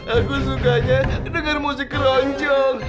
aku sukanya denger musik loncong